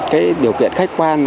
cái điều kiện khách quan